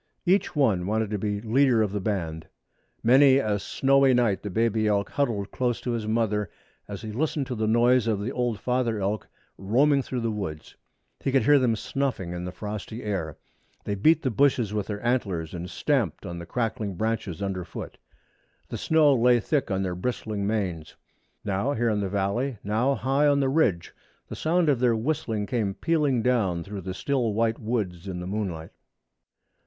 Each one wanted to be leader of the band. Many a snowy night the baby elk huddled close to his mother as he listened to the noise of the old father elk roaming through the woods. He could hear them snuffing the frosty air. They beat the bushes with their antlers and stamped on the crackling branches underfoot. The snow lay thick on their bristling manes. Now here in the valley, now there high on the ridge, the sound of their whistling came pealing down through the still white woods in the moonlight.